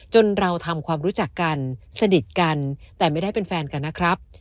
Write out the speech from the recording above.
เราทำความรู้จักกันสนิทกันแต่ไม่ได้เป็นแฟนกันนะครับ